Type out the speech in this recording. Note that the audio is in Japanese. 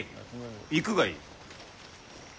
行くがいい。